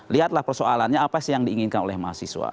lihatlah persoalannya apa sih yang diinginkan oleh mahasiswa